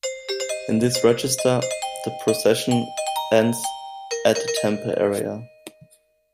In this register, the procession ends at the temple area.